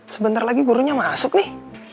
sebentar lagi gurunya masuk nih